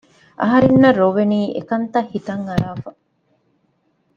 އަހަރެންނަށް ރޮވެނީ އެކަންތައް ހިތަށް އަރާފަ